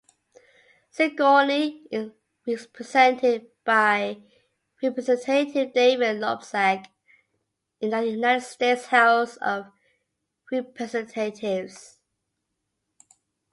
Sigourney is represented by Representative David Loebsack in the United States House of Representatives.